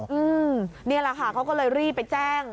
นี่แหละค่ะเขาก็เลยรีบไปแจ้ง